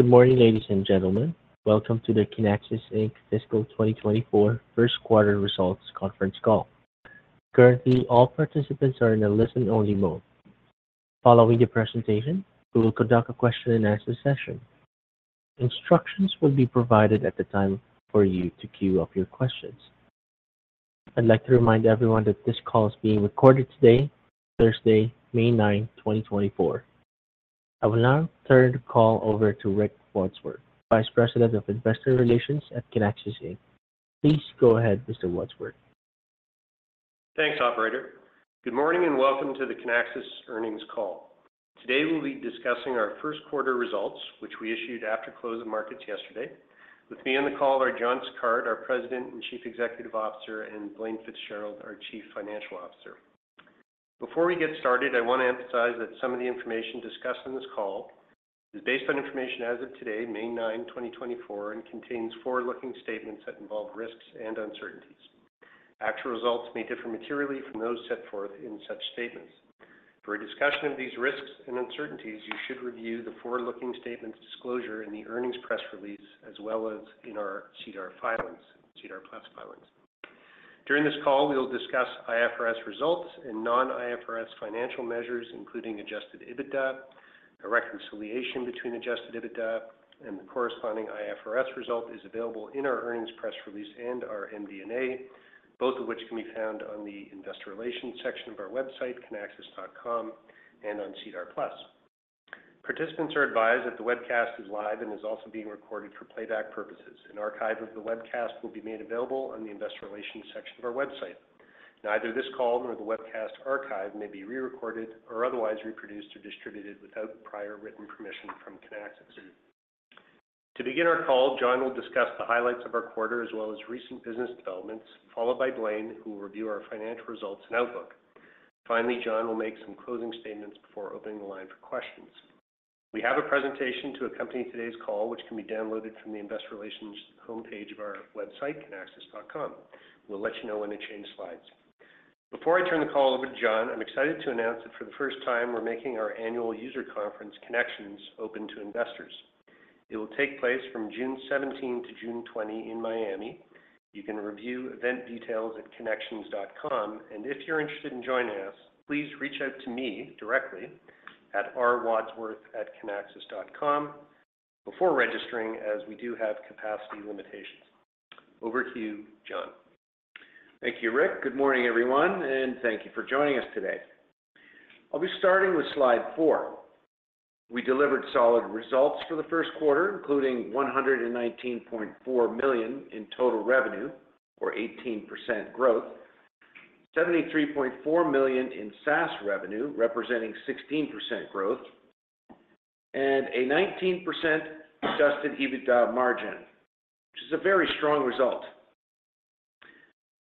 Good morning, ladies and gentlemen. Welcome to the Kinaxis Inc fiscal 2024 first quarter results conference call. Currently, all participants are in a listen-only mode. Following the presentation, we will conduct a question-and-answer session. Instructions will be provided at the time for you to queue up your questions. I'd like to remind everyone that this call is being recorded today, Thursday, May 9th, 2024. I will now turn the call over to Rick Wadsworth, Vice President of Investor Relations at Kinaxis Inc. Please go ahead, Mr. Wadsworth. Thanks, Operator. Good morning and welcome to the Kinaxis earnings call. Today we'll be discussing our first quarter results, which we issued after close of markets yesterday. With me on the call are John Sicard, our President and Chief Executive Officer, and Blaine Fitzgerald, our Chief Financial Officer. Before we get started, I want to emphasize that some of the information discussed in this call is based on information as of today, May 9th, 2024, and contains forward-looking statements that involve risks and uncertainties. Actual results may differ materially from those set forth in such statements. For a discussion of these risks and uncertainties, you should review the forward-looking statements disclosure in the earnings press release as well as in our SEDAR+ filings. During this call, we'll discuss IFRS results and non-IFRS financial measures, including Adjusted EBITDA. A reconciliation between Adjusted EBITDA and the corresponding IFRS result is available in our earnings press release and our MD&A, both of which can be found on the Investor Relations section of our website, kinaxis.com, and on SEDAR+. Participants are advised that the webcast is live and is also being recorded for playback purposes. An archive of the webcast will be made available on the Investor Relations section of our website. Neither this call nor the webcast archive may be rerecorded or otherwise reproduced or distributed without prior written permission from Kinaxis. To begin our call, John will discuss the highlights of our quarter as well as recent business developments, followed by Blaine, who will review our financial results and outlook. Finally, John will make some closing statements before opening the line for questions. We have a presentation to accompany today's call, which can be downloaded from the Investor Relations homepage of our website, kinaxis.com. We'll let you know when it changes slides. Before I turn the call over to John, I'm excited to announce that for the first time, we're making our annual user conference, Kinexions, open to investors. It will take place from June 17th to June 20th in Miami. You can review event details at kinexions.com. And if you're interested in joining us, please reach out to me directly at r.wadsworth@kinaxis.com before registering, as we do have capacity limitations. Over to you, John. Thank you, Rick. Good morning, everyone, and thank you for joining us today. I'll be starting with slide four. We delivered solid results for the first quarter, including $119.4 million in total revenue, or 18% growth, $73.4 million in SaaS revenue, representing 16% growth, and a 19% Adjusted EBITDA margin, which is a very strong result.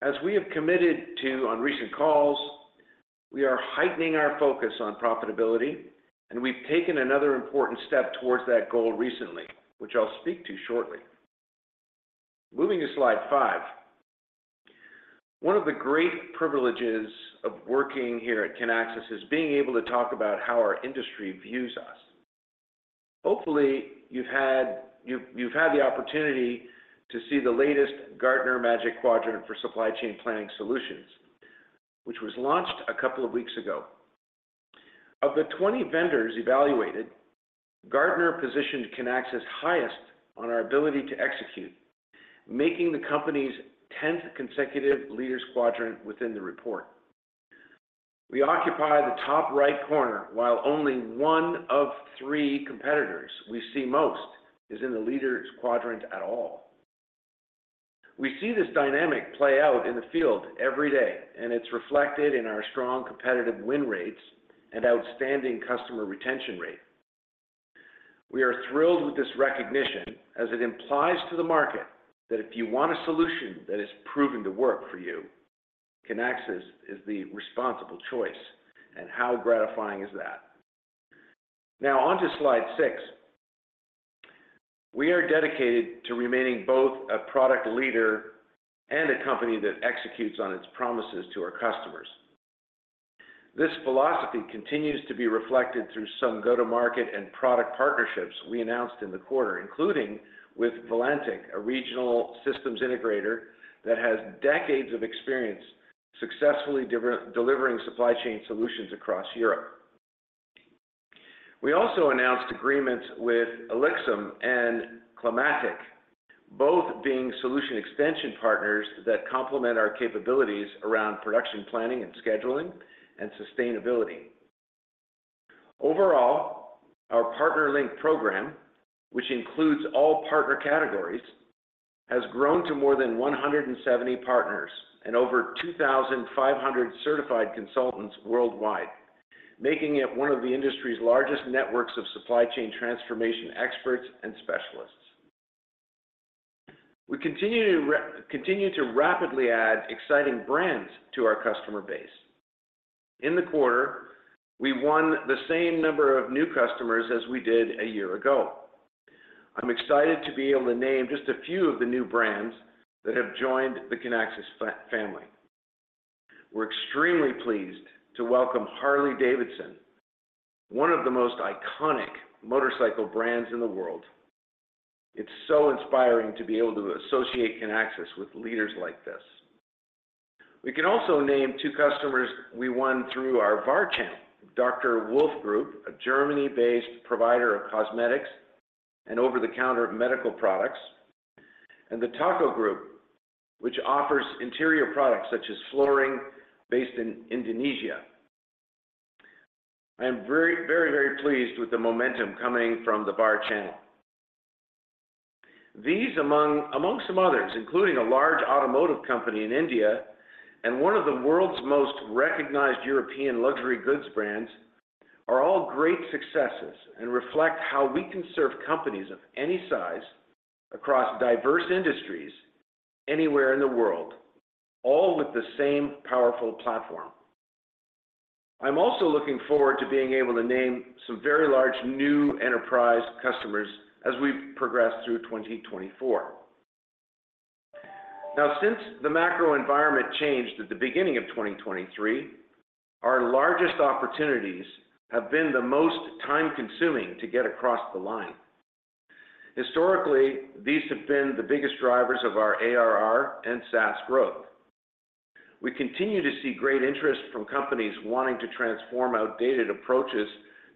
As we have committed to on recent calls, we are heightening our focus on profitability, and we've taken another important step towards that goal recently, which I'll speak to shortly. Moving to slide five. One of the great privileges of working here at Kinaxis is being able to talk about how our industry views us. Hopefully, you've had the opportunity to see the latest Gartner Magic Quadrant for Supply Chain Planning Solutions, which was launched a couple of weeks ago. Of the 20 vendors evaluated, Gartner positioned Kinaxis highest on our ability to execute, making the company's 10th consecutive Leaders Quadrant within the report. We occupy the top right corner while only one of three competitors we see most is in the Leaders Quadrant at all. We see this dynamic play out in the field every day, and it's reflected in our strong competitive win rates and outstanding customer retention rate. We are thrilled with this recognition, as it implies to the market that if you want a solution that has proven to work for you, Kinaxis is the responsible choice. And how gratifying is that? Now, onto slide six. We are dedicated to remaining both a product leader and a company that executes on its promises to our customers. This philosophy continues to be reflected through some go-to-market and product partnerships we announced in the quarter, including with Valantic, a regional systems integrator that has decades of experience successfully delivering supply chain solutions across Europe. We also announced agreements with Elixum and Climatiq, both being solution extension partners that complement our capabilities around production planning and scheduling and sustainability. Overall, our PartnerLink program, which includes all partner categories, has grown to more than 170 partners and over 2,500 certified consultants worldwide, making it one of the industry's largest networks of supply chain transformation experts and specialists. We continue to rapidly add exciting brands to our customer base. In the quarter, we won the same number of new customers as we did a year ago. I'm excited to be able to name just a few of the new brands that have joined the Kinaxis family. We're extremely pleased to welcome Harley-Davidson, one of the most iconic motorcycle brands in the world. It's so inspiring to be able to associate Kinaxis with leaders like this. We can also name two customers we won through our VAR channel, Dr. Wolff Group, a Germany-based provider of cosmetics and over-the-counter medical products, and the TACO Group, which offers interior products such as flooring based in Indonesia. I am very, very, very pleased with the momentum coming from the VAR channel. These, among some others, including a large automotive company in India and one of the world's most recognized European luxury goods brands, are all great successes and reflect how we can serve companies of any size across diverse industries anywhere in the world, all with the same powerful platform. I'm also looking forward to being able to name some very large new enterprise customers as we progress through 2024. Now, since the macro environment changed at the beginning of 2023, our largest opportunities have been the most time-consuming to get across the line. Historically, these have been the biggest drivers of our ARR and SaaS growth. We continue to see great interest from companies wanting to transform outdated approaches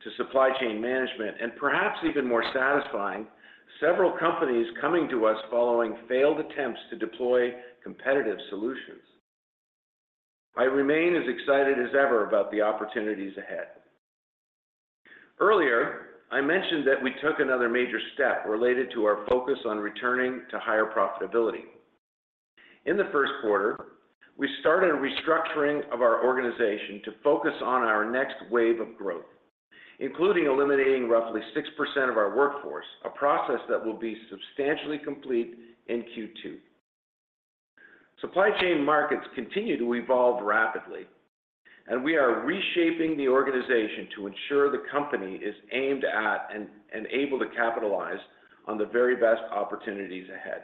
to supply chain management, and perhaps even more satisfying, several companies coming to us following failed attempts to deploy competitive solutions. I remain as excited as ever about the opportunities ahead. Earlier, I mentioned that we took another major step related to our focus on returning to higher profitability. In the first quarter, we started a restructuring of our organization to focus on our next wave of growth, including eliminating roughly 6% of our workforce, a process that will be substantially complete in Q2. Supply chain markets continue to evolve rapidly, and we are reshaping the organization to ensure the company is aimed at and able to capitalize on the very best opportunities ahead.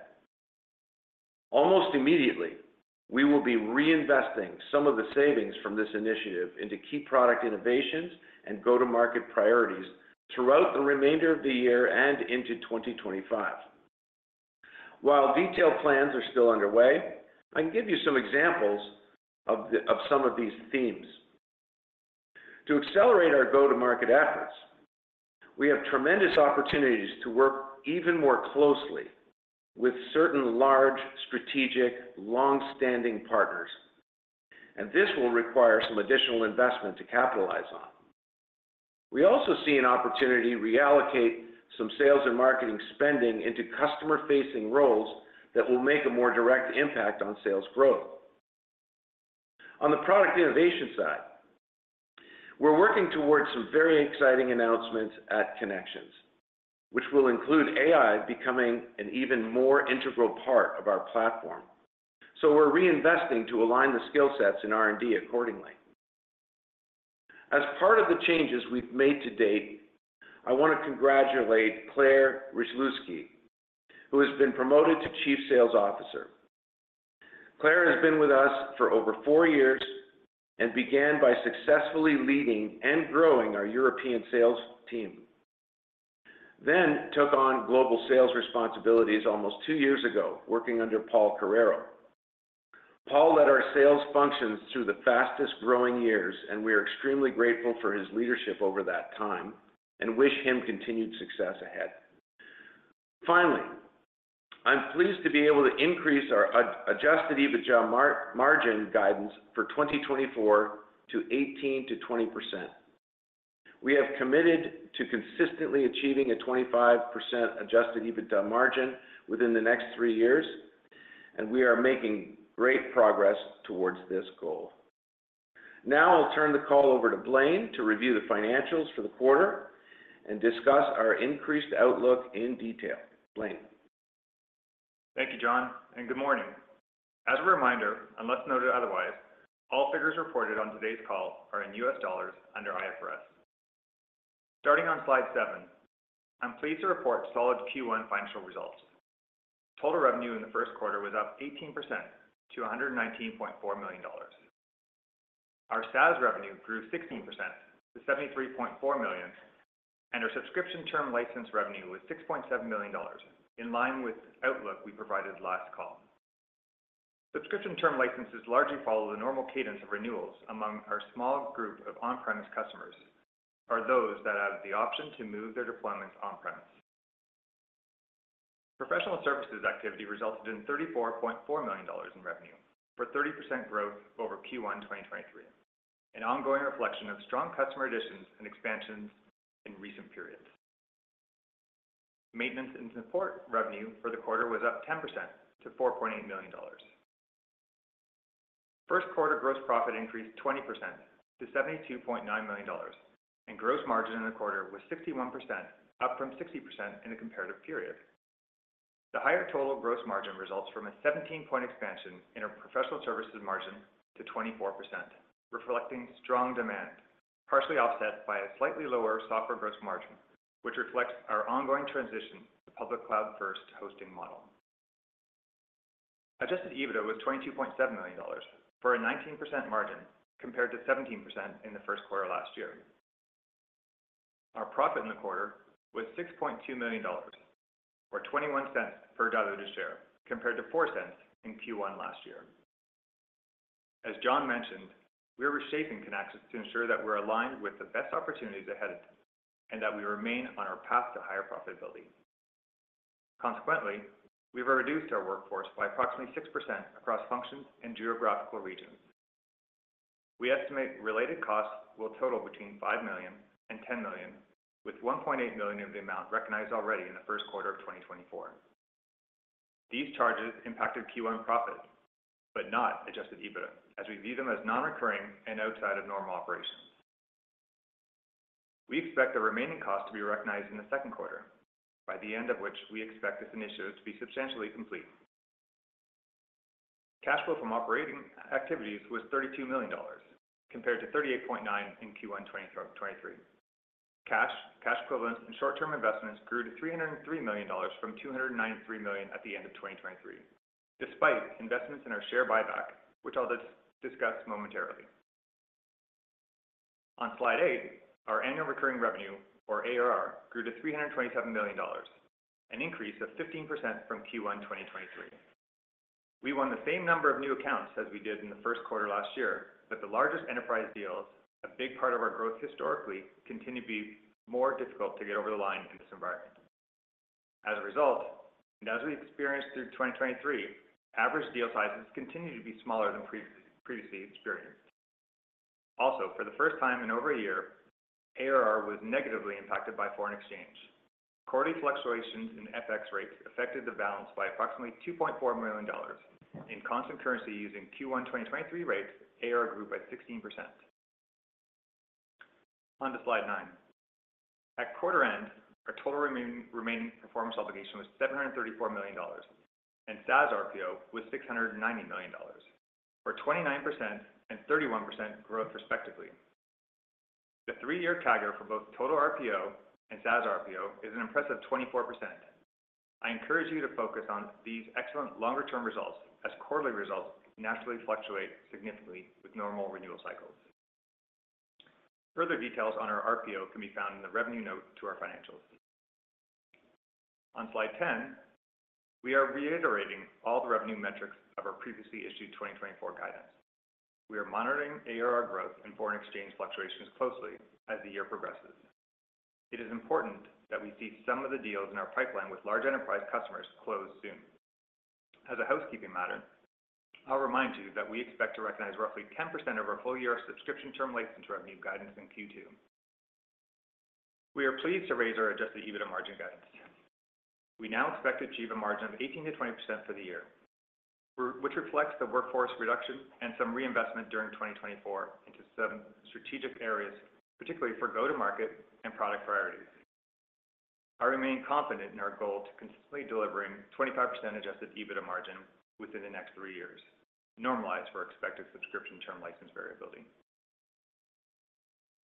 Almost immediately, we will be reinvesting some of the savings from this initiative into key product innovations and go-to-market priorities throughout the remainder of the year and into 2025. While detailed plans are still underway, I can give you some examples of some of these themes. To accelerate our go-to-market efforts, we have tremendous opportunities to work even more closely with certain large, strategic, longstanding partners, and this will require some additional investment to capitalize on. We also see an opportunity to reallocate some sales and marketing spending into customer-facing roles that will make a more direct impact on sales growth. On the product innovation side, we're working towards some very exciting announcements at Kinaxis, which will include AI becoming an even more integral part of our platform. So we're reinvesting to align the skill sets in R&D accordingly. As part of the changes we've made to date, I want to congratulate Claire Rychlewski, who has been promoted to Chief Sales Officer. Claire has been with us for over four years and began by successfully leading and growing our European sales team, then took on global sales responsibilities almost two years ago, working under Paul Carreiro. Paul led our sales functions through the fastest-growing years, and we are extremely grateful for his leadership over that time and wish him continued success ahead. Finally, I'm pleased to be able to increase our Adjusted EBITDA margin guidance for 2024 to 18%-20%. We have committed to consistently achieving a 25% Adjusted EBITDA margin within the next three years, and we are making great progress towards this goal. Now I'll turn the call over to Blaine to review the financials for the quarter and discuss our increased outlook in detail. Blaine. Thank you, John, and good morning. As a reminder, unless noted otherwise, all figures reported on today's call are in US dollars under IFRS. Starting on slide seven, I'm pleased to report solid Q1 financial results. Total revenue in the first quarter was up 18% to $119.4 million. Our SaaS revenue grew 16% to $73.4 million, and our subscription term license revenue was $6.7 million, in line with the outlook we provided last call. Subscription term licenses largely follow the normal cadence of renewals among our small group of on-premise customers, or those that have the option to move their deployments on-premise. Professional services activity resulted in $34.4 million in revenue, for 30% growth over Q1 2023, an ongoing reflection of strong customer additions and expansions in recent periods. Maintenance and support revenue for the quarter was up 10% to $4.8 million. First quarter gross profit increased 20% to $72.9 million, and gross margin in the quarter was 61%, up from 60% in a comparative period. The higher total gross margin results from a 17-point expansion in our professional services margin to 24%, reflecting strong demand, partially offset by a slightly lower software gross margin, which reflects our ongoing transition to public cloud-first hosting model. Adjusted EBITDA was $22.7 million, for a 19% margin compared to 17% in the first quarter last year. Our profit in the quarter was $6.2 million, or $0.21 per share, compared to $0.04 in Q1 last year. As John mentioned, we are reshaping Kinaxis to ensure that we're aligned with the best opportunities ahead and that we remain on our path to higher profitability. Consequently, we've reduced our workforce by approximately 6% across functions and geographical regions. We estimate related costs will total between $5 million and $10 million, with $1.8 million of the amount recognized already in the first quarter of 2024. These charges impacted Q1 profits, but not Adjusted EBITDA, as we view them as non-recurring and outside of normal operations. We expect the remaining costs to be recognized in the second quarter, by the end of which we expect this initiative to be substantially complete. Cash flow from operating activities was $32 million, compared to $38.9 million in Q1 2023. Cash, cash equivalents, and short-term investments grew to $303 million from $293 million at the end of 2023, despite investments in our share buyback, which I'll discuss momentarily. On slide eight, our Annual Recurring Revenue, or ARR, grew to $327 million, an increase of 15% from Q1 2023. We won the same number of new accounts as we did in the first quarter last year, but the largest enterprise deals, a big part of our growth historically, continue to be more difficult to get over the line in this environment. As a result, and as we experienced through 2023, average deal sizes continue to be smaller than previously experienced. Also, for the first time in over a year, ARR was negatively impacted by foreign exchange. Quarterly fluctuations in FX rates affected the balance by approximately $2.4 million. In constant currency using Q1 2023 rates, ARR grew by 16%. Onto slide nine. At quarter-end, our total remaining performance obligation was $734 million, and SaaS RPO was $690 million, for 29% and 31% growth respectively. The three-year CAGR for both total RPO and SaaS RPO is an impressive 24%. I encourage you to focus on these excellent longer-term results, as quarterly results naturally fluctuate significantly with normal renewal cycles. Further details on our RPO can be found in the revenue note to our financials. On slide 10, we are reiterating all the revenue metrics of our previously issued 2024 guidance. We are monitoring ARR growth and foreign exchange fluctuations closely as the year progresses. It is important that we see some of the deals in our pipeline with large enterprise customers close soon. As a housekeeping matter, I'll remind you that we expect to recognize roughly 10% of our full-year subscription term license revenue guidance in Q2. We are pleased to raise our Adjusted EBITDA margin guidance. We now expect to achieve a margin of 18%-20% for the year, which reflects the workforce reduction and some reinvestment during 2024 into some strategic areas, particularly for go-to-market and product priorities. I remain confident in our goal to consistently deliver 25% Adjusted EBITDA margin within the next three years, normalized for expected subscription term license variability.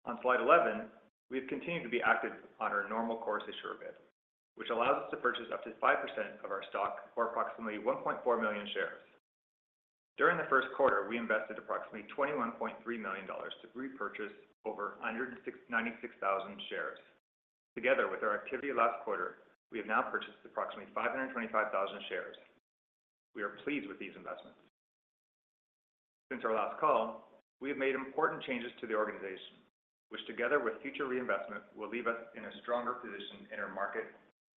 On slide 11, we have continued to be active on our normal course issuer bid, which allows us to purchase up to 5% of our stock or approximately 1.4 million shares. During the first quarter, we invested approximately $21.3 million to repurchase over 196,000 shares. Together with our activity last quarter, we have now purchased approximately 525,000 shares. We are pleased with these investments. Since our last call, we have made important changes to the organization, which together with future reinvestment will leave us in a stronger position in our market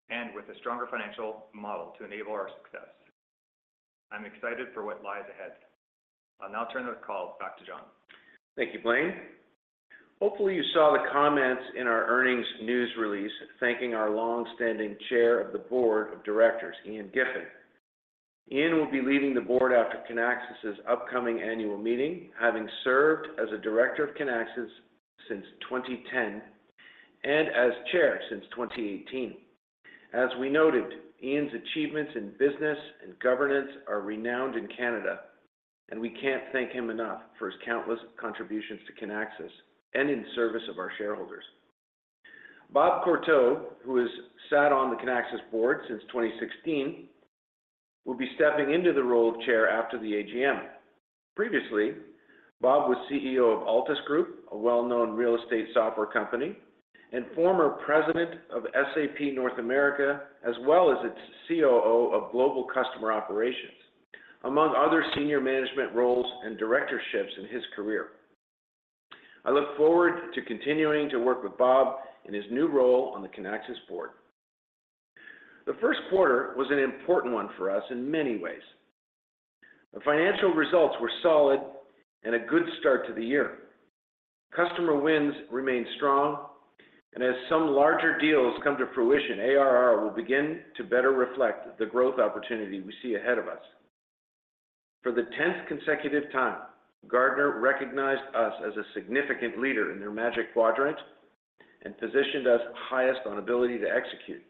and with a stronger financial model to enable our success. I'm excited for what lies ahead. I'll now turn the call back to John. Thank you, Blaine. Hopefully, you saw the comments in our earnings news release thanking our longstanding chair of the board of directors, Ian Giffen. Ian will be leaving the board after Kinaxis's upcoming annual meeting, having served as a director of Kinaxis since 2010 and as chair since 2018. As we noted, Ian's achievements in business and governance are renowned in Canada, and we can't thank him enough for his countless contributions to Kinaxis and in service of our shareholders. Bob Courteau, who has sat on the Kinaxis board since 2016, will be stepping into the role of chair after the AGM. Previously, Bob was CEO of Altus Group, a well-known real estate software company, and former President of SAP North America, as well as its COO of global customer operations, among other senior management roles and directorships in his career. I look forward to continuing to work with Bob in his new role on the Kinaxis board. The first quarter was an important one for us in many ways. The financial results were solid and a good start to the year. Customer wins remained strong, and as some larger deals come to fruition, ARR will begin to better reflect the growth opportunity we see ahead of us. For the 10th consecutive time, Gartner recognized us as a significant leader in their Magic Quadrant and positioned us highest on ability to execute.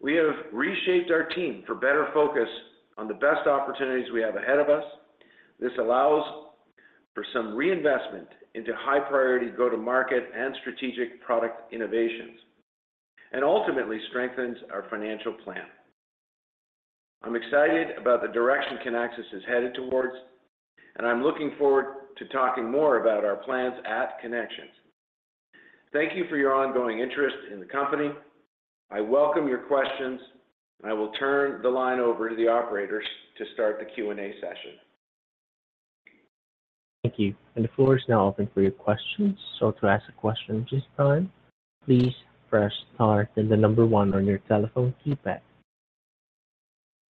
We have reshaped our team for better focus on the best opportunities we have ahead of us. This allows for some reinvestment into high-priority go-to-market and strategic product innovations, and ultimately strengthens our financial plan. I'm excited about the direction Kinaxis is headed towards, and I'm looking forward to talking more about our plans at Kinaxis. Thank you for your ongoing interest in the company. I welcome your questions, and I will turn the line over to the operators to start the Q&A session. Thank you. The floor is now open for your questions. To ask a question at this time, please press star and the number one on your telephone keypad.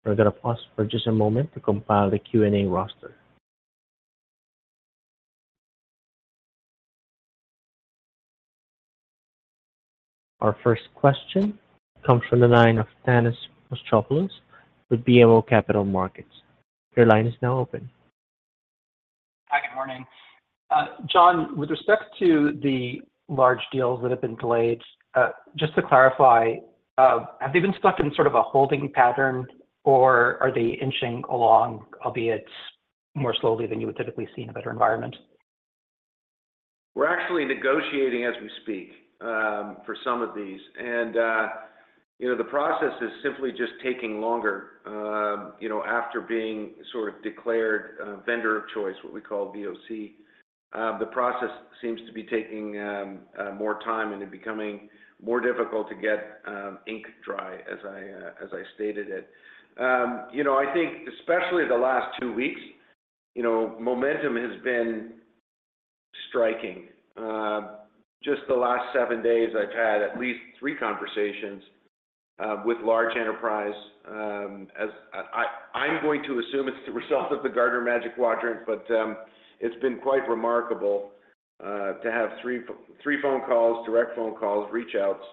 We're going to pause for just a moment to compile the Q&A roster. Our first question comes from the line of Thanos Moschopoulos with BMO Capital Markets. Your line is now open. Hi, good morning. John, with respect to the large deals that have been delayed, just to clarify, have they been stuck in sort of a holding pattern, or are they inching along, albeit more slowly than you would typically see in a better environment? We're actually negotiating as we speak for some of these, and the process is simply just taking longer. After being sort of declared vendor of choice, what we call VOC, the process seems to be taking more time and becoming more difficult to get ink dry, as I stated it. I think especially the last two weeks, momentum has been striking. Just the last seven days, I've had at least three conversations with large enterprise. I'm going to assume it's the result of the Gartner Magic Quadrant, but it's been quite remarkable to have three phone calls, direct phone calls, reachouts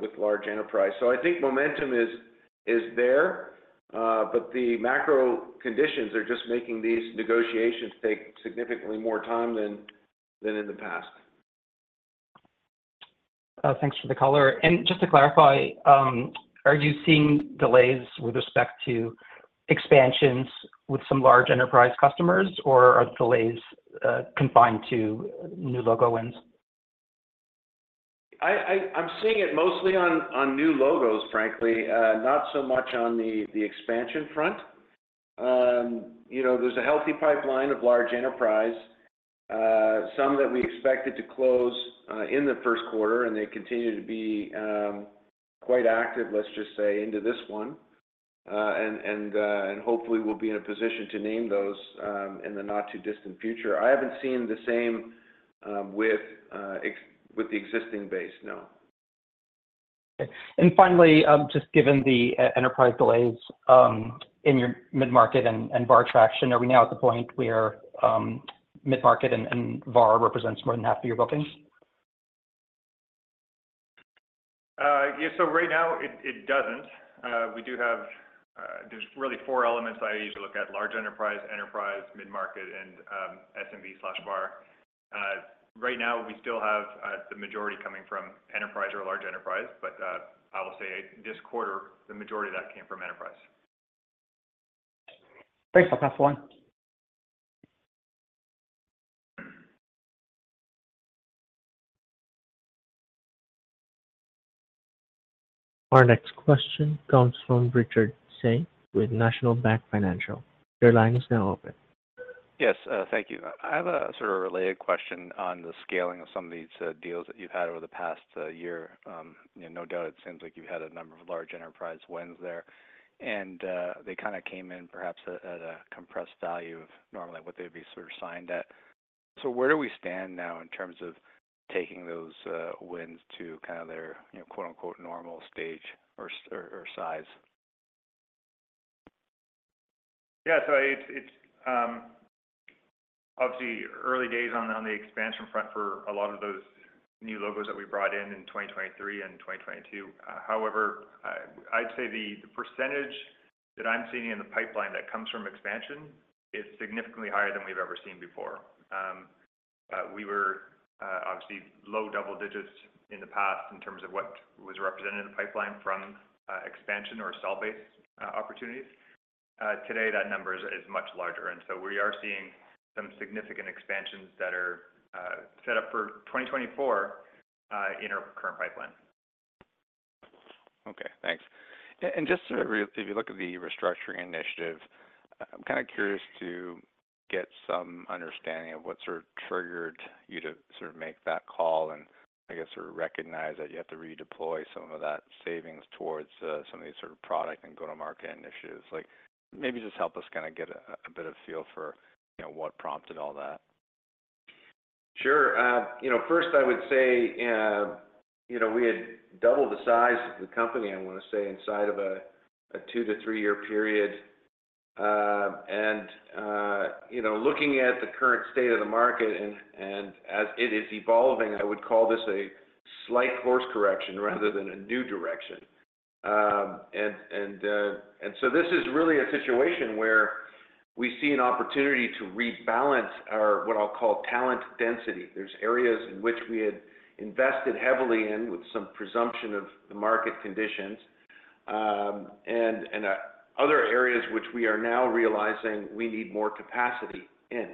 with large enterprise. So I think momentum is there, but the macro conditions are just making these negotiations take significantly more time than in the past. Thanks for the caller. Just to clarify, are you seeing delays with respect to expansions with some large enterprise customers, or are the delays confined to new logo wins? I'm seeing it mostly on new logos, frankly, not so much on the expansion front. There's a healthy pipeline of large enterprise, some that we expected to close in the first quarter, and they continue to be quite active, let's just say, into this one. Hopefully, we'll be in a position to name those in the not-too-distant future. I haven't seen the same with the existing base, no. Finally, just given the enterprise delays in your mid-market and VAR traction, are we now at the point where mid-market and VAR represents more than half of your bookings? Yeah, so right now, it doesn't. There's really four elements I usually look at: large enterprise, enterprise, mid-market, and SMB/VAR. Right now, we still have the majority coming from enterprise or large enterprise, but I will say this quarter, the majority of that came from enterprise. Thanks. I'll pass the line. Our next question comes from Richard Tse with National Bank Financial. Your line is now open. Yes, thank you. I have a sort of related question on the scaling of some of these deals that you've had over the past year. No doubt, it seems like you've had a number of large enterprise wins there, and they kind of came in perhaps at a compressed value of normally what they'd be sort of signed at. So where do we stand now in terms of taking those wins to kind of their "normal" stage or size? Yeah, so obviously, early days on the expansion front for a lot of those new logos that we brought in in 2023 and 2022. However, I'd say the percentage that I'm seeing in the pipeline that comes from expansion is significantly higher than we've ever seen before. We were obviously low double digits in the past in terms of what was represented in the pipeline from expansion or sell-based opportunities. Today, that number is much larger, and so we are seeing some significant expansions that are set up for 2024 in our current pipeline. Okay, thanks. And just sort of if you look at the restructuring initiative, I'm kind of curious to get some understanding of what sort of triggered you to sort of make that call and, I guess, sort of recognize that you have to redeploy some of that savings towards some of these sort of product and go-to-market initiatives. Maybe just help us kind of get a bit of feel for what prompted all that. Sure. First, I would say we had doubled the size of the company, I want to say, inside of a two- to three-year period. And looking at the current state of the market and as it is evolving, I would call this a slight course correction rather than a new direction. And so this is really a situation where we see an opportunity to rebalance what I'll call talent density. There's areas in which we had invested heavily in with some presumption of the market conditions and other areas which we are now realizing we need more capacity in.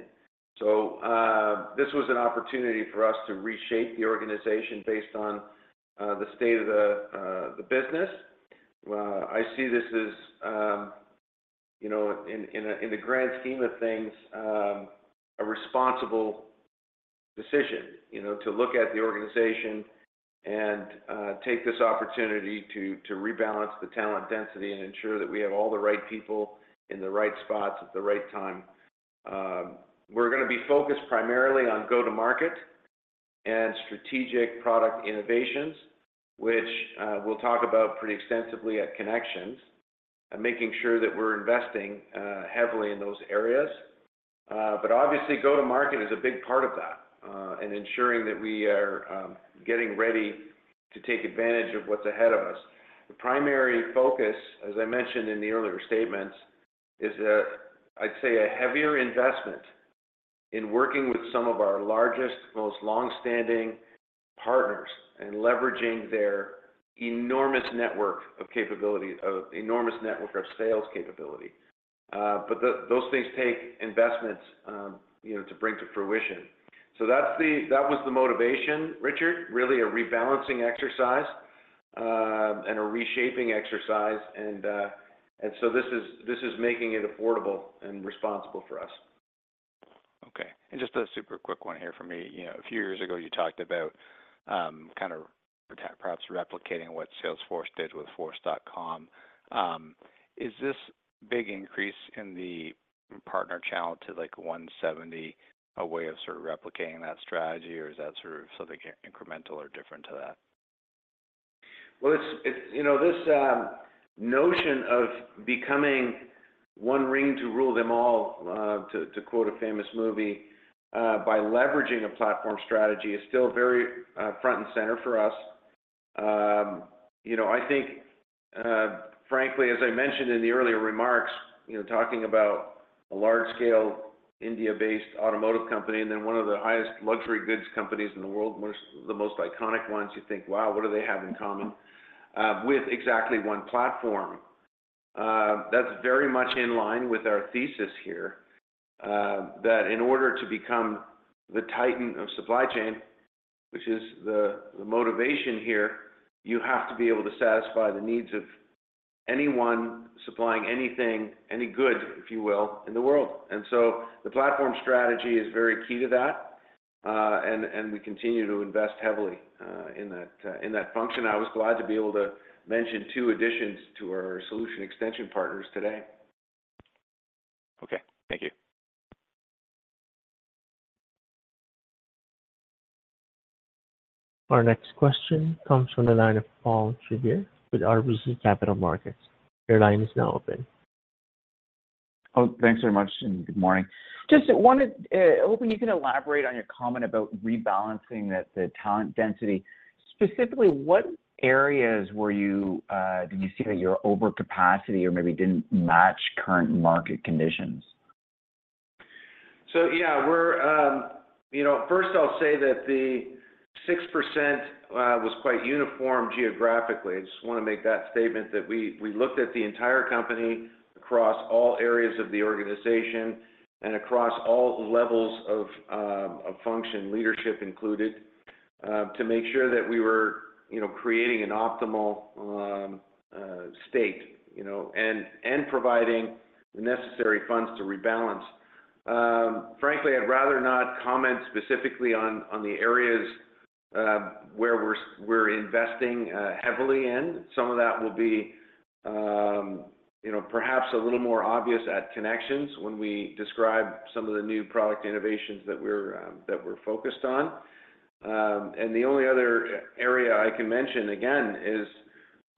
So this was an opportunity for us to reshape the organization based on the state of the business. I see this as, in the grand scheme of things, a responsible decision to look at the organization and take this opportunity to rebalance the talent density and ensure that we have all the right people in the right spots at the right time. We're going to be focused primarily on go-to-market and strategic product innovations, which we'll talk about pretty extensively at Kinaxis, making sure that we're investing heavily in those areas. But obviously, go-to-market is a big part of that and ensuring that we are getting ready to take advantage of what's ahead of us. The primary focus, as I mentioned in the earlier statements, is, I'd say, a heavier investment in working with some of our largest, most longstanding partners and leveraging their enormous network of capability, enormous network of sales capability. But those things take investments to bring to fruition. So that was the motivation, Richard, really a rebalancing exercise and a reshaping exercise. And so this is making it affordable and responsible for us. Okay. And just a super quick one here for me. A few years ago, you talked about kind of perhaps replicating what Salesforce did with Force.com. Is this big increase in the partner channel to 170 a way of sort of replicating that strategy, or is that sort of something incremental or different to that? Well, this notion of becoming one ring to rule them all, to quote a famous movie, by leveraging a platform strategy is still very front and center for us. I think, frankly, as I mentioned in the earlier remarks, talking about a large-scale, India-based automotive company and then one of the highest luxury goods companies in the world, the most iconic ones, you think, "Wow, what do they have in common?" with exactly one platform, that's very much in line with our thesis here that in order to become the titan of supply chain, which is the motivation here, you have to be able to satisfy the needs of anyone supplying anything, any good, if you will, in the world. And so the platform strategy is very key to that, and we continue to invest heavily in that function. I was glad to be able to mention two additions to our solution extension partners today. Okay, thank you. Our next question comes from the line of Paul Treiber with RBC Capital Markets. Your line is now open. Oh, thanks very much and good morning. Just wanted to hope you can elaborate on your comment about rebalancing the talent density. Specifically, what areas did you see that you were over capacity or maybe didn't match current market conditions? So yeah, first, I'll say that the 6% was quite uniform geographically. I just want to make that statement that we looked at the entire company across all areas of the organization and across all levels of function, leadership included, to make sure that we were creating an optimal state and providing the necessary funds to rebalance. Frankly, I'd rather not comment specifically on the areas where we're investing heavily in. Some of that will be perhaps a little more obvious at Kinaxis when we describe some of the new product innovations that we're focused on. And the only other area I can mention, again, is,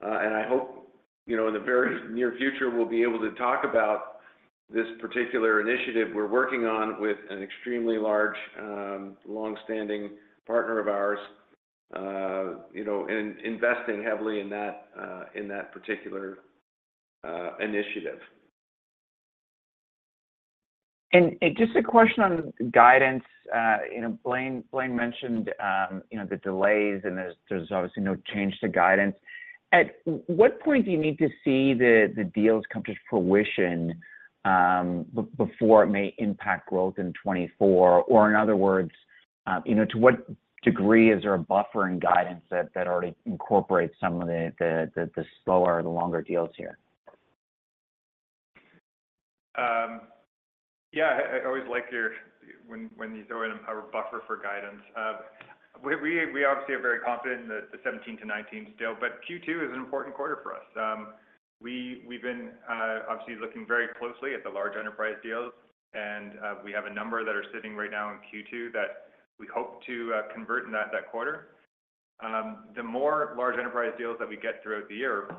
and I hope in the very near future, we'll be able to talk about this particular initiative we're working on with an extremely large, longstanding partner of ours and investing heavily in that particular initiative. Just a question on guidance. Blaine mentioned the delays, and there's obviously no change to guidance. At what point do you need to see the deals come to fruition before it may impact growth in 2024? Or in other words, to what degree is there a buffer in guidance that already incorporates some of the slower or the longer deals here? Yeah, I always like when you throw in a buffer for guidance. We obviously are very confident in the 2017 to 2019 scale, but Q2 is an important quarter for us. We've been obviously looking very closely at the large enterprise deals, and we have a number that are sitting right now in Q2 that we hope to convert in that quarter. The more large enterprise deals that we get throughout the year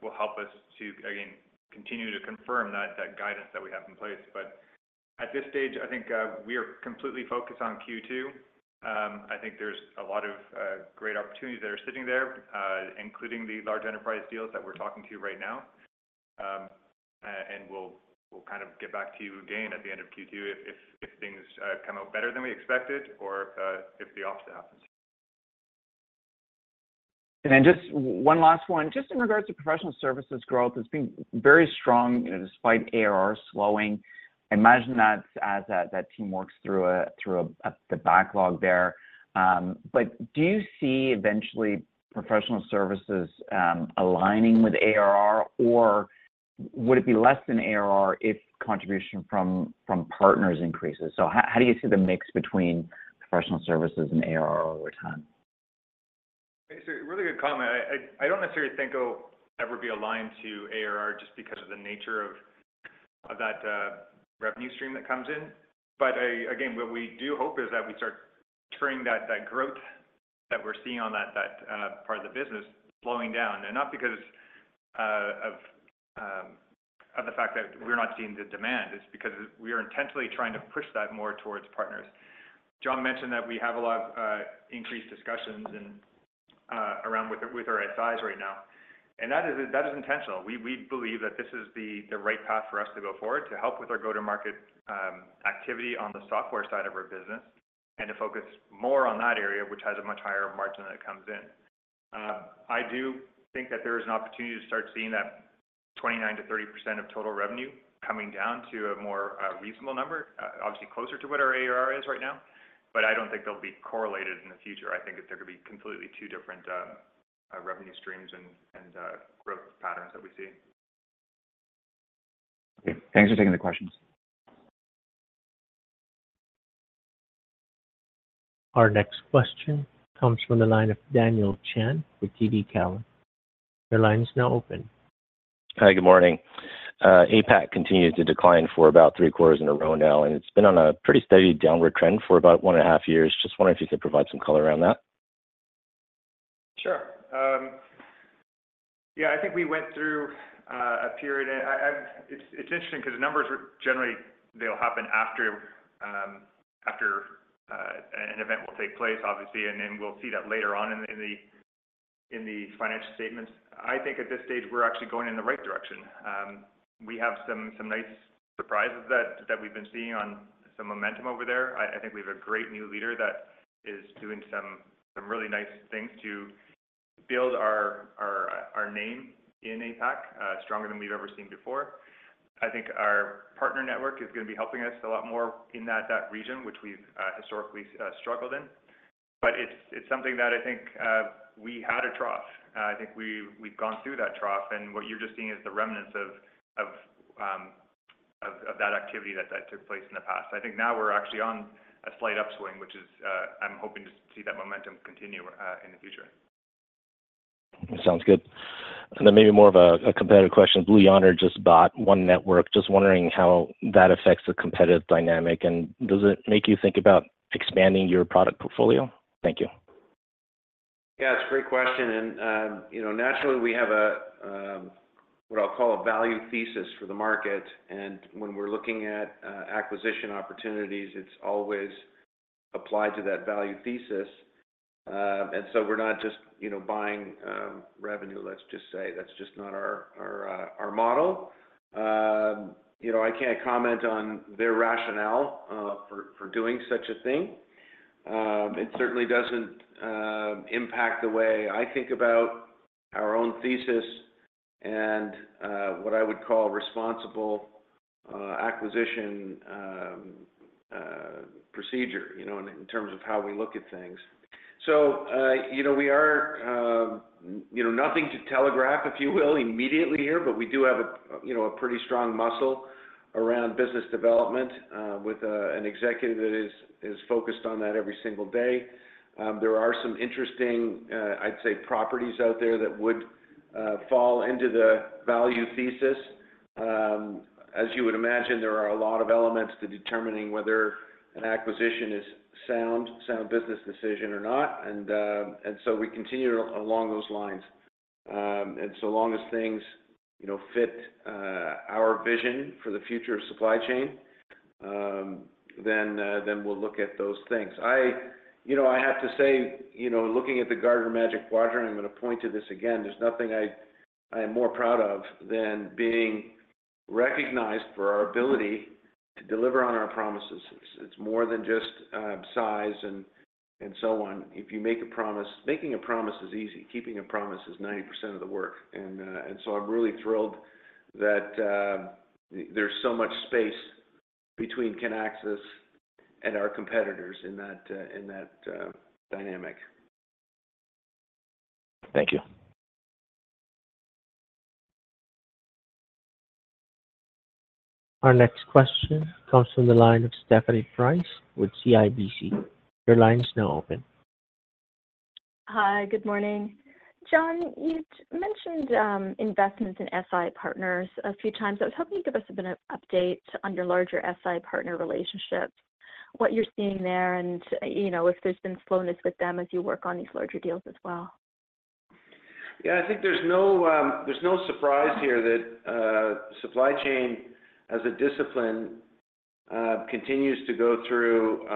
will help us to, again, continue to confirm that guidance that we have in place. But at this stage, I think we are completely focused on Q2. I think there's a lot of great opportunities that are sitting there, including the large enterprise deals that we're talking to right now. We'll kind of get back to you again at the end of Q2 if things come out better than we expected or if the opposite happens. And then just one last one. Just in regards to professional services growth, it's been very strong despite ARR slowing. I imagine that's as that team works through the backlog there. But do you see eventually professional services aligning with ARR, or would it be less than ARR if contribution from partners increases? So how do you see the mix between professional services and ARR over time? So really good comment. I don't necessarily think it'll ever be aligned to ARR just because of the nature of that revenue stream that comes in. But again, what we do hope is that we start turning that growth that we're seeing on that part of the business slowing down. Not because of the fact that we're not seeing the demand. It's because we are intentionally trying to push that more towards partners. John mentioned that we have a lot of increased discussions around with our SIs right now, and that is intentional. We believe that this is the right path for us to go forward to help with our go-to-market activity on the software side of our business and to focus more on that area, which has a much higher margin that comes in. I do think that there is an opportunity to start seeing that 29%-30% of total revenue coming down to a more reasonable number, obviously closer to what our ARR is right now. But I don't think they'll be correlated in the future. I think that there could be completely two different revenue streams and growth patterns that we see. Okay. Thanks for taking the questions. Our next question comes from the line of Daniel Chan with TD Cowen. Your line is now open. Hi, good morning. APAC continues to decline for about three quarters in a row now, and it's been on a pretty steady downward trend for about 1.5 years. Just wondering if you could provide some color around that. Sure. Yeah, I think we went through a period. It's interesting because numbers, generally, they'll happen after an event will take place, obviously, and then we'll see that later on in the financial statements. I think at this stage, we're actually going in the right direction. We have some nice surprises that we've been seeing on some momentum over there. I think we have a great new leader that is doing some really nice things to build our name in APAC stronger than we've ever seen before. I think our partner network is going to be helping us a lot more in that region, which we've historically struggled in. But it's something that I think we had a trough. I think we've gone through that trough, and what you're just seeing is the remnants of that activity that took place in the past. I think now we're actually on a slight upswing, which I'm hoping to see that momentum continue in the future. Sounds good. Then maybe more of a competitive question. Blue Yonder just bought One Network. Just wondering how that affects the competitive dynamic, and does it make you think about expanding your product portfolio? Thank you. Yeah, it's a great question. Naturally, we have what I'll call a value thesis for the market. When we're looking at acquisition opportunities, it's always applied to that value thesis. So we're not just buying revenue, let's just say. That's just not our model. I can't comment on their rationale for doing such a thing. It certainly doesn't impact the way I think about our own thesis and what I would call responsible acquisition procedure in terms of how we look at things. We are nothing to telegraph, if you will, immediately here, but we do have a pretty strong muscle around business development with an executive that is focused on that every single day. There are some interesting, I'd say, properties out there that would fall into the value thesis. As you would imagine, there are a lot of elements to determining whether an acquisition is a sound business decision or not. So we continue along those lines. So long as things fit our vision for the future of supply chain, then we'll look at those things. I have to say, looking at the Gartner Magic Quadrant, I'm going to point to this again. There's nothing I am more proud of than being recognized for our ability to deliver on our promises. It's more than just size and so on. If you make a promise, making a promise is easy. Keeping a promise is 90% of the work. So I'm really thrilled that there's so much space between Kinaxis and our competitors in that dynamic. Thank you. Our next question comes from the line of Stephanie Price with CIBC. Your line is now open. Hi, good morning. John, you mentioned investments in SI partners a few times. I was hoping you'd give us an update on your larger SI partner relationships, what you're seeing there, and if there's been slowness with them as you work on these larger deals as well? Yeah, I think there's no surprise here that supply chain, as a discipline, continues to go through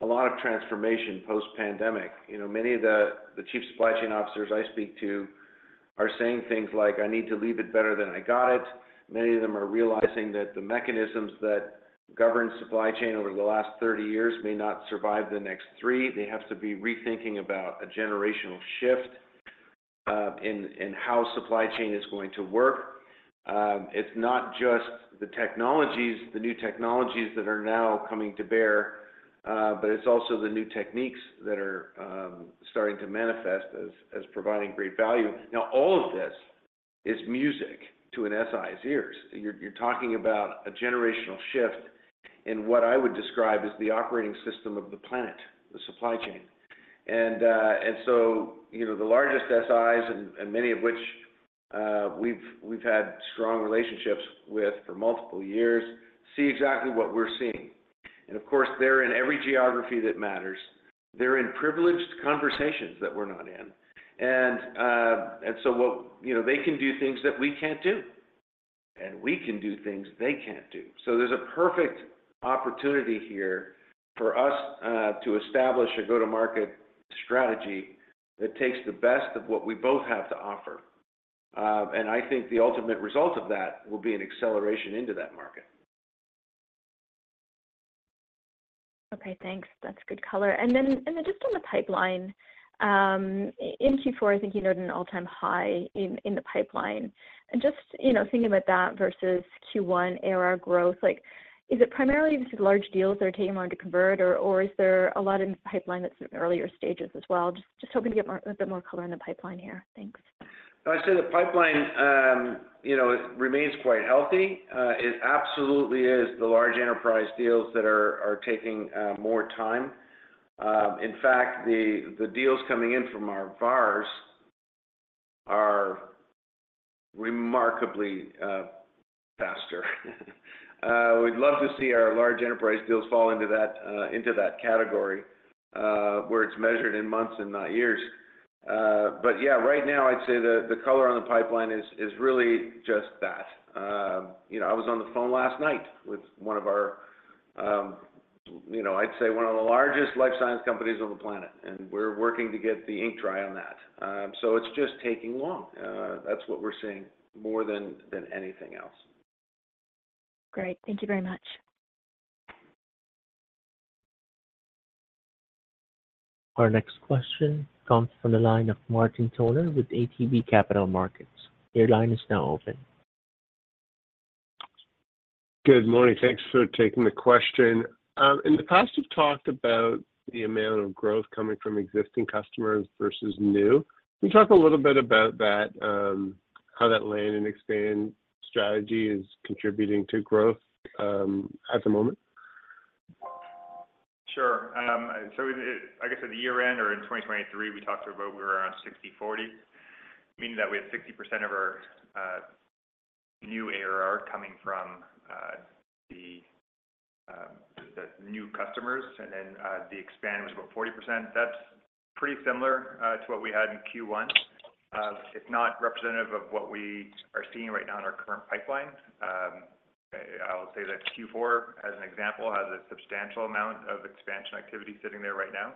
a lot of transformation post-pandemic. Many of the chief supply chain officers I speak to are saying things like, "I need to leave it better than I got it." Many of them are realizing that the mechanisms that govern supply chain over the last 30 years may not survive the next three. They have to be rethinking about a generational shift in how supply chain is going to work. It's not just the new technologies that are now coming to bear, but it's also the new techniques that are starting to manifest as providing great value. Now, all of this is music to an SI's ears. You're talking about a generational shift in what I would describe as the operating system of the planet, the supply chain. The largest SIs, and many of which we've had strong relationships with for multiple years, see exactly what we're seeing. Of course, they're in every geography that matters. They're in privileged conversations that we're not in. So they can do things that we can't do, and we can do things they can't do. There's a perfect opportunity here for us to establish a go-to-market strategy that takes the best of what we both have to offer. I think the ultimate result of that will be an acceleration into that market. Okay, thanks. That's good color. And then just on the pipeline, in Q4, I think you noted an all-time high in the pipeline. And just thinking about that versus Q1 ARR growth, is it primarily just large deals that are taking longer to convert, or is there a lot in the pipeline that's in earlier stages as well? Just hoping to get a bit more color in the pipeline here. Thanks. So I'd say the pipeline remains quite healthy. It absolutely is the large enterprise deals that are taking more time. In fact, the deals coming in from our VARs are remarkably faster. We'd love to see our large enterprise deals fall into that category where it's measured in months and not years. But yeah, right now, I'd say the color on the pipeline is really just that. I was on the phone last night with one of our, I'd say, one of the largest life science companies on the planet, and we're working to get the ink dry on that. So it's just taking long. That's what we're seeing more than anything else. Great. Thank you very much. Our next question comes from the line of Martin Toner with ATB Capital Markets. Your line is now open. Good morning. Thanks for taking the question. In the past, we've talked about the amount of growth coming from existing customers versus new. Can you talk a little bit about how that land and expand strategy is contributing to growth at the moment? Sure. So I guess at the year-end or in 2023, we talked about we were around 60/40, meaning that we had 60% of our new ARR coming from the new customers, and then the expand was about 40%. That's pretty similar to what we had in Q1, if not representative of what we are seeing right now in our current pipeline. I'll say that Q4, as an example, has a substantial amount of expansion activity sitting there right now.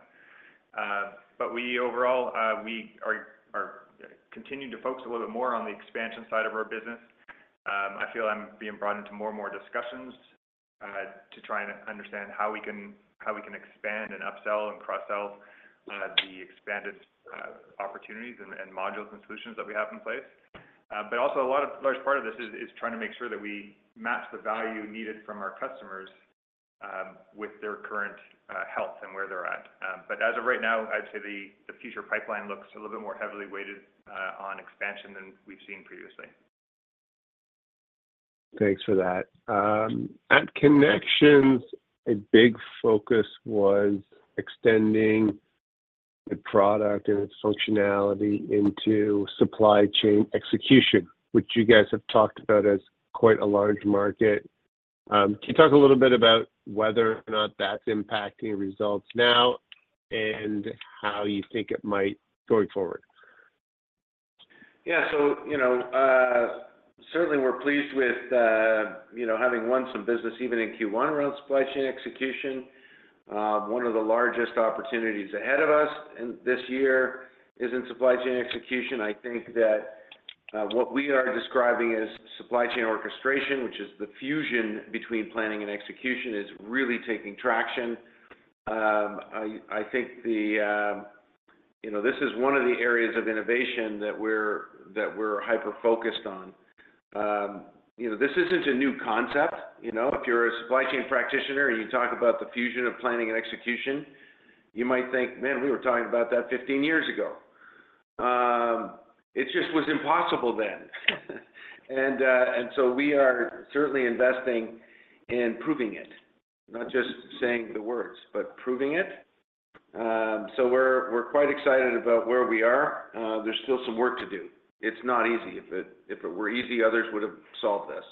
But overall, we are continuing to focus a little bit more on the expansion side of our business. I feel I'm being brought into more and more discussions to try and understand how we can expand and upsell and cross-sell the expanded opportunities and modules and solutions that we have in place. But also, a large part of this is trying to make sure that we match the value needed from our customers with their current health and where they're at. But as of right now, I'd say the future pipeline looks a little bit more heavily weighted on expansion than we've seen previously. Thanks for that. At Kinexions, a big focus was extending the product and its functionality into supply chain execution, which you guys have talked about as quite a large market. Can you talk a little bit about whether or not that's impacting results now and how you think it might going forward? Yeah. So certainly, we're pleased with having won some business even in Q1 around supply chain execution. One of the largest opportunities ahead of us this year is in supply chain execution. I think that what we are describing as supply chain orchestration, which is the fusion between planning and execution, is really taking traction. I think this is one of the areas of innovation that we're hyper-focused on. This isn't a new concept. If you're a supply chain practitioner and you talk about the fusion of planning and execution, you might think, "Man, we were talking about that 15 years ago. It just was impossible then." And so we are certainly investing in proving it, not just saying the words, but proving it. So we're quite excited about where we are. There's still some work to do. It's not easy. If it were easy, others would have solved this.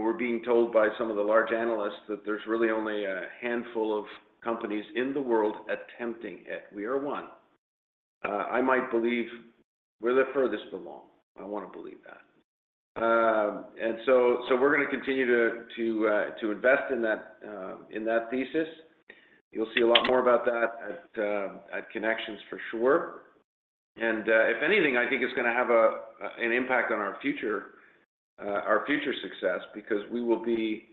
We're being told by some of the large analysts that there's really only a handful of companies in the world attempting it. We are one. I might believe we're the furthest along. I want to believe that. And so we're going to continue to invest in that thesis. You'll see a lot more about that at Kinexions, for sure. And if anything, I think it's going to have an impact on our future success because we will be,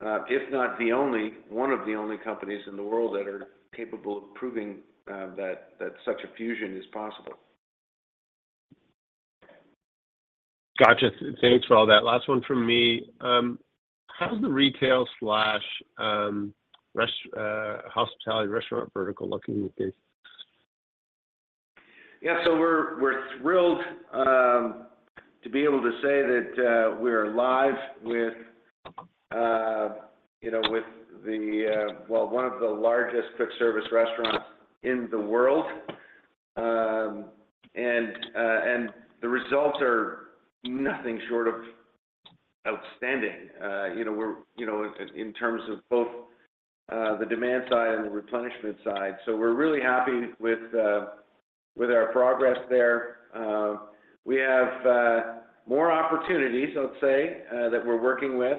if not the only, one of the only companies in the world that are capable of proving that such a fusion is possible. Gotcha. Thanks for all that. Last one from me. How's the retail/hospitality restaurant vertical looking with this? Yeah, so we're thrilled to be able to say that we are live with the, well, one of the largest quick-service restaurants in the world. And the results are nothing short of outstanding in terms of both the demand side and the replenishment side. So we're really happy with our progress there. We have more opportunities, I'd say, that we're working with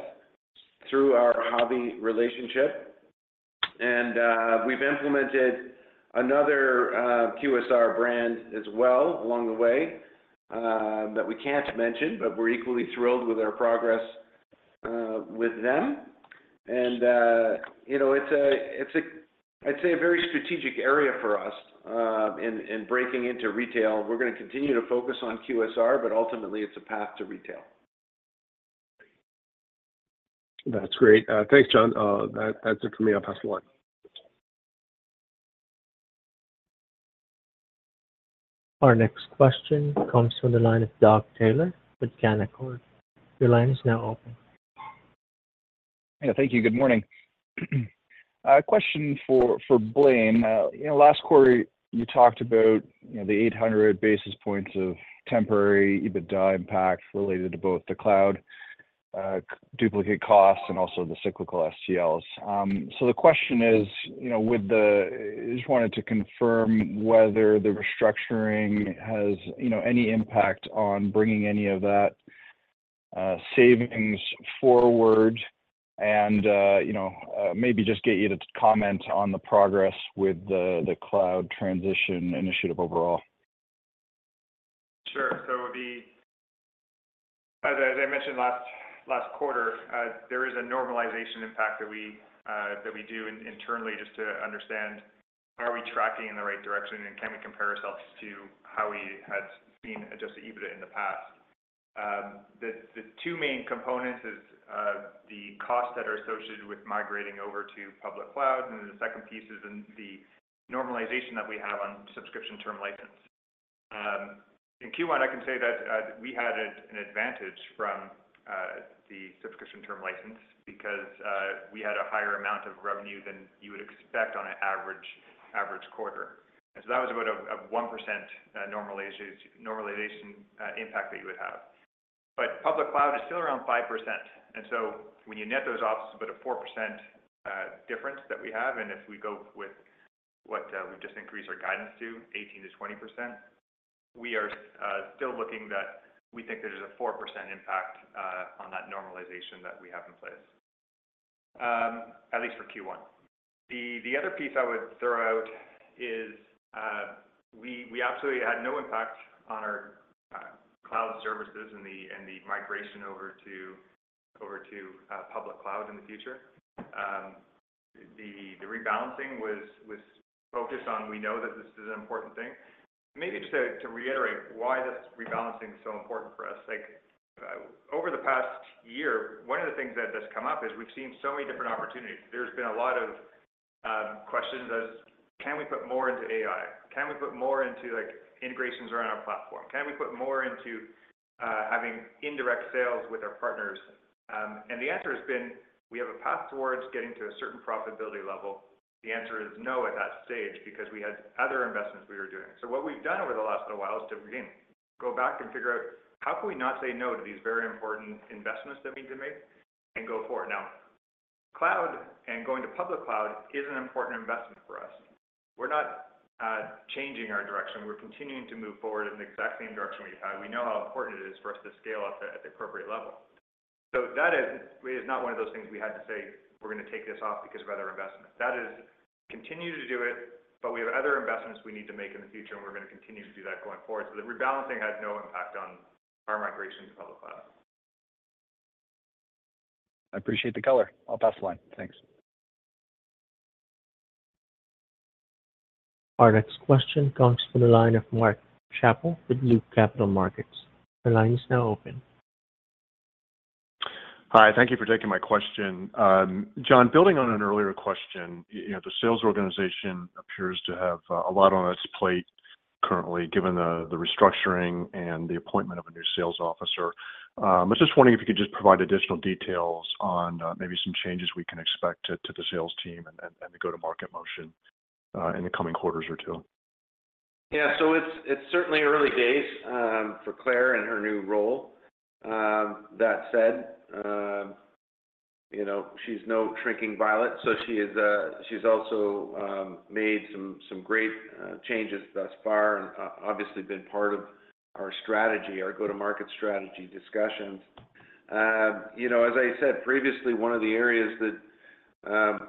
through our HAVI relationship. And we've implemented another QSR brand as well along the way that we can't mention, but we're equally thrilled with our progress with them. And it's a, I'd say, a very strategic area for us in breaking into retail. We're going to continue to focus on QSR, but ultimately, it's a path to retail. That's great. Thanks, John. That's it for me. I'll pass the line. Our next question comes from the line of Doug Taylor with Canaccord. Your line is now open. Yeah, thank you. Good morning. Question for Blaine. Last quarter, you talked about the 800 basis points of temporary EBITDA impact related to both the cloud, duplicate costs, and also the cyclical STLs. So the question is, I just wanted to confirm whether the restructuring has any impact on bringing any of that savings forward and maybe just get you to comment on the progress with the cloud transition initiative overall. Sure. So it would be, as I mentioned, last quarter, there is a normalization impact that we do internally just to understand, are we tracking in the right direction, and can we compare ourselves to how we had seen Adjusted EBITDA in the past? The two main components are the costs that are associated with migrating over to public cloud, and then the second piece is the normalization that we have on Subscription Term License. In Q1, I can say that we had an advantage from the Subscription Term License because we had a higher amount of revenue than you would expect on an average quarter. And so that was about a 1% normalization impact that you would have. But public cloud is still around 5%. And so when you net those off, it's about a 4% difference that we have. And if we go with what we've just increased our guidance to, 18%-20%, we are still looking that we think there's a 4% impact on that normalization that we have in place, at least for Q1. The other piece I would throw out is we absolutely had no impact on our cloud services and the migration over to public cloud in the future. The rebalancing was focused on, we know that this is an important thing. Maybe just to reiterate why this rebalancing is so important for us. Over the past year, one of the things that's come up is we've seen so many different opportunities. There's been a lot of questions as, can we put more into AI? Can we put more into integrations around our platform? Can we put more into having indirect sales with our partners? And the answer has been, we have a path towards getting to a certain profitability level. The answer is no at that stage because we had other investments we were doing. So what we've done over the last little while is to, again, go back and figure out, how can we not say no to these very important investments that we need to make and go forward? Now, cloud and going to public cloud is an important investment for us. We're not changing our direction. We're continuing to move forward in the exact same direction we've had. We know how important it is for us to scale up at the appropriate level. So that is not one of those things we had to say, we're going to take this off because of other investments. That is continue to do it, but we have other investments we need to make in the future, and we're going to continue to do that going forward. So the rebalancing had no impact on our migration to public cloud. I appreciate the color. I'll pass the line. Thanks. Our next question comes from the line of Mark Schappell with Loop Capital Markets. Your line is now open. Hi. Thank you for taking my question. John, building on an earlier question, the sales organization appears to have a lot on its plate currently given the restructuring and the appointment of a new sales officer. But just wondering if you could just provide additional details on maybe some changes we can expect to the sales team and the go-to-market motion in the coming quarters or two? Yeah. So it's certainly early days for Claire and her new role. That said, she's no shrinking violet. So she's also made some great changes thus far and obviously been part of our strategy, our go-to-market strategy discussions. As I said previously, one of the areas that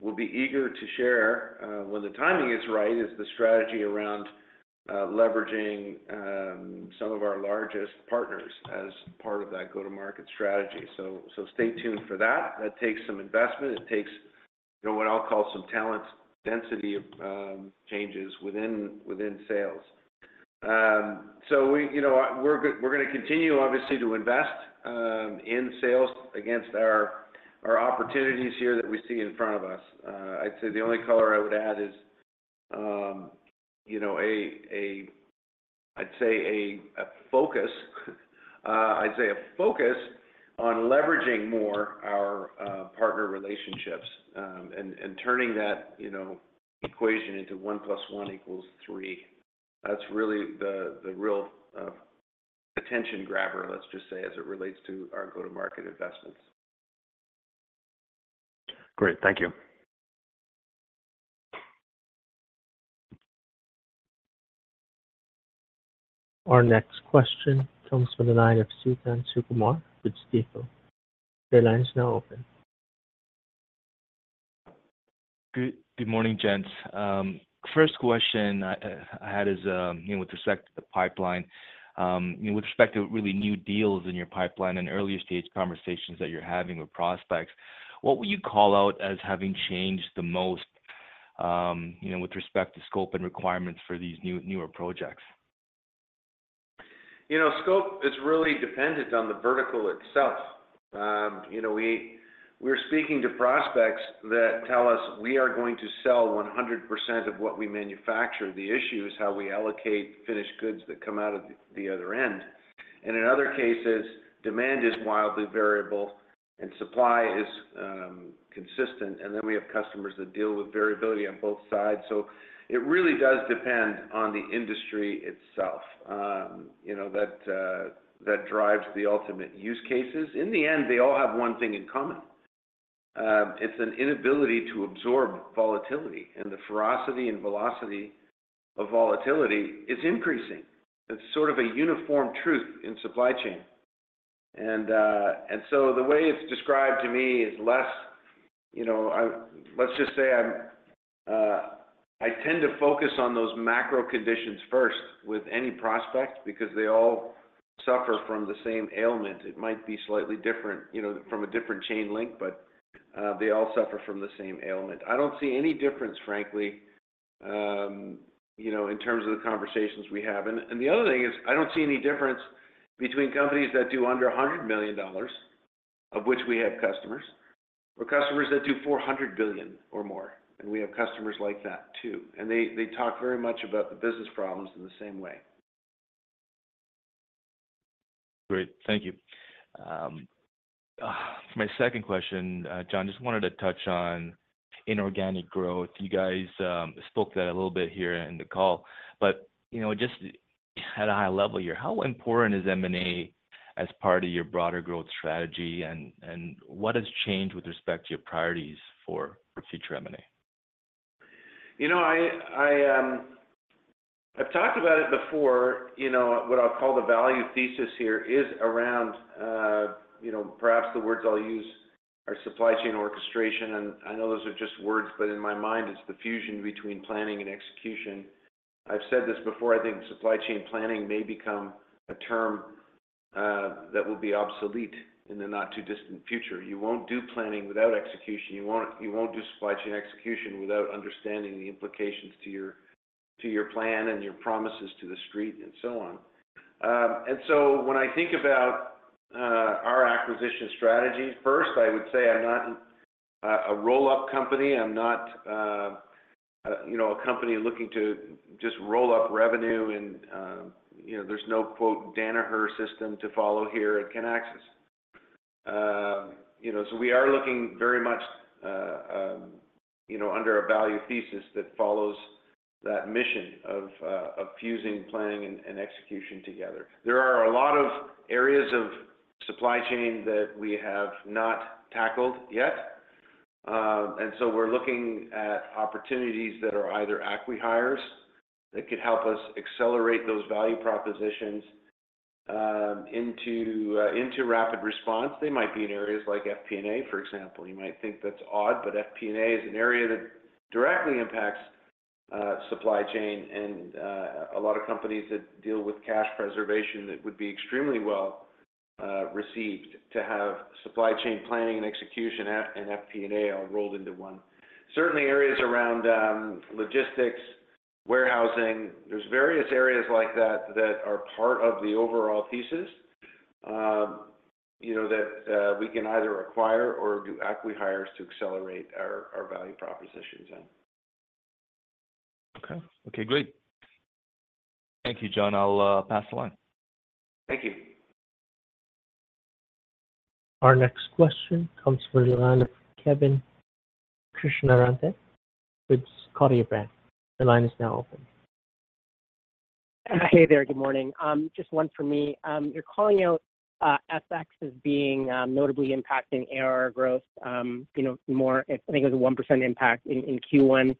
we'll be eager to share when the timing is right is the strategy around leveraging some of our largest partners as part of that go-to-market strategy. So stay tuned for that. That takes some investment. It takes what I'll call some talent density changes within sales. So we're going to continue, obviously, to invest in sales against our opportunities here that we see in front of us. I'd say the only color I would add is, I'd say, a focus. I'd say a focus on leveraging more our partner relationships and turning that equation into 1 + 1 = 3. That's really the real attention grabber, let's just say, as it relates to our go-to-market investments. Great. Thank you. Our next question comes from the line of Suthan Sukumar with Stifel. Your line is now open. Good morning, gents. First question I had is with respect to the pipeline. With respect to really new deals in your pipeline and earlier-stage conversations that you're having with prospects, what would you call out as having changed the most with respect to scope and requirements for these newer projects? Scope is really dependent on the vertical itself. We're speaking to prospects that tell us, "We are going to sell 100% of what we manufacture. The issue is how we allocate finished goods that come out of the other end." And in other cases, demand is wildly variable and supply is consistent. And then we have customers that deal with variability on both sides. So it really does depend on the industry itself that drives the ultimate use cases. In the end, they all have one thing in common. It's an inability to absorb volatility. And the ferocity and velocity of volatility is increasing. It's sort of a uniform truth in supply chain. And so the way it's described to me is less let's just say I tend to focus on those macro conditions first with any prospect because they all suffer from the same ailment. It might be slightly different from a different chain link, but they all suffer from the same ailment. I don't see any difference, frankly, in terms of the conversations we have. The other thing is I don't see any difference between companies that do under $100 million, of which we have customers, or customers that do $400 billion or more. We have customers like that too. They talk very much about the business problems in the same way. Great. Thank you. For my second question, John, I just wanted to touch on inorganic growth. You guys spoke that a little bit here in the call. But just at a high level here, how important is M&A as part of your broader growth strategy? And what has changed with respect to your priorities for future M&A? I've talked about it before. What I'll call the value thesis here is around perhaps the words I'll use are supply chain orchestration. And I know those are just words, but in my mind, it's the fusion between planning and execution. I've said this before. I think supply chain planning may become a term that will be obsolete in the not-too-distant future. You won't do planning without execution. You won't do supply chain execution without understanding the implications to your plan and your promises to the street and so on. And so when I think about our acquisition strategy, first, I would say I'm not a roll-up company. I'm not a company looking to just roll up revenue. And there's no "Danaher system" to follow here. Kinaxis. So we are looking very much under a value thesis that follows that mission of fusing planning and execution together. There are a lot of areas of supply chain that we have not tackled yet. And so we're looking at opportunities that are either acquihires that could help us accelerate those value propositions into RapidResponse. They might be in areas like FP&A, for example. You might think that's odd, but FP&A is an area that directly impacts supply chain. And a lot of companies that deal with cash preservation that would be extremely well received to have supply chain planning and execution and FP&A all rolled into one. Certainly, areas around logistics, warehousing, there's various areas like that that are part of the overall thesis that we can either acquire or do acquihires to accelerate our value propositions on. Okay. Okay. Great. Thank you, John. I'll pass the line. Thank you. Our next question comes from the line of Kevin Krishnaratne with Scotiabank. Your line is now open. Hey there. Good morning. Just one for me. You're calling out FX as being notably impacting ARR growth more. I think it was a 1% impact in Q1.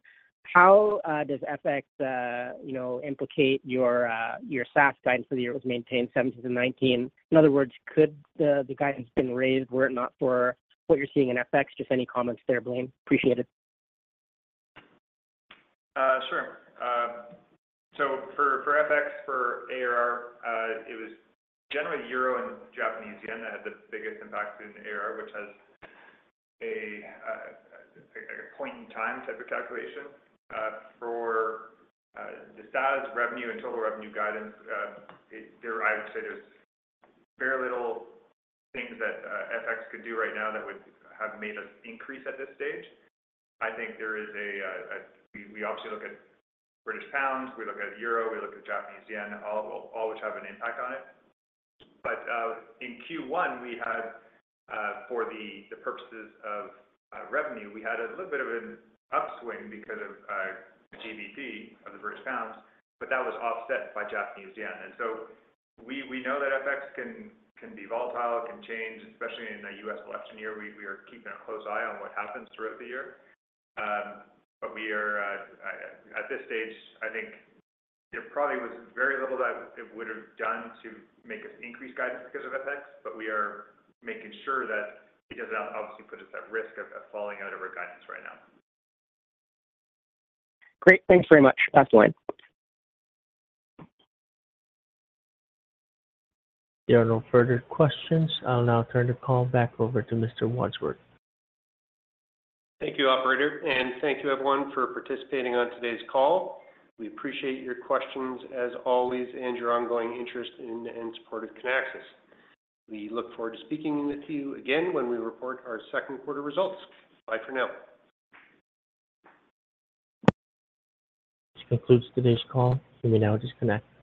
How does FX impact your SaaS guidance for the year? It was maintained 17%-19%. In other words, could the guidance have been raised were it not for what you're seeing in FX? Just any comments there, Blaine. Appreciate it. Sure. So for FX, for AR, it was generally euro and Japanese yen that had the biggest impact in ARR, which has a point-in-time type of calculation. For the SaaS revenue and total revenue guidance, I would say there's very little things that FX could do right now that would have made us increase at this stage. I think there is a we obviously look at British pounds. We look at euro. We look at Japanese yen, all which have an impact on it. But in Q1, for the purposes of revenue, we had a little bit of an upswing because of GBP of the British pounds, but that was offset by Japanese yen. And so we know that FX can be volatile, can change, especially in a U.S. election year. We are keeping a close eye on what happens throughout the year. But at this stage, I think there probably was very little that it would have done to make us increase guidance because of FX, but we are making sure that it doesn't obviously put us at risk of falling out of our guidance right now. Great. Thanks very much. Pass the line. If there are no further questions, I'll now turn the call back over to Mr. Wadsworth. Thank you, operator. Thank you, everyone, for participating on today's call. We appreciate your questions as always and your ongoing interest in and support of Kinaxis. We look forward to speaking with you again when we report our second quarter results. Bye for now. This concludes today's call. You may now disconnect.